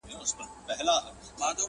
او طوطي ته یې دوکان وو ورسپارلی!.